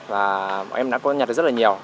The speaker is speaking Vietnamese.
và mọi em đã có nhặt được rất là nhiều